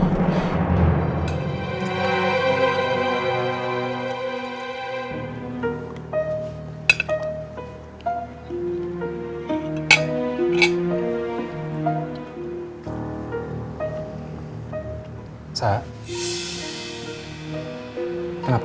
kenapa ngadeng mak